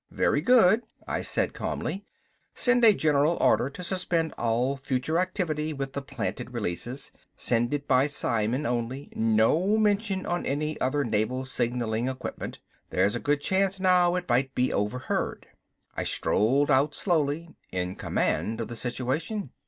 "Very good," I said calmly. "Send a general order to suspend all future activity with the planted releases. Send it by psimen only, no mention on any other Naval signaling equipment, there's a good chance now it might be 'overheard.'" I strolled out slowly, in command of the situation.